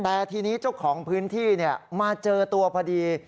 แต่ทีนี้เจ้าของพื้นที่มาเจอตัวพอดี